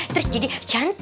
terus jadi hiburan takut